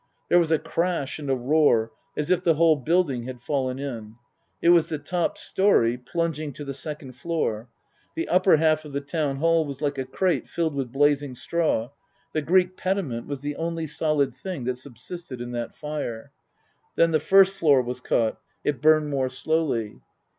There was a crash and a roar as if the whole building had fallen^ in. It was the top story plunging to the second floor. The upper half of the Town Hall was like a crate filled with blazing straw. The Greek pediment was the only solid thing that subsisted in that fire. Then the first floor was caught. It burned more slowly.